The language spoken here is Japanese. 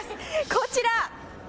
こちら。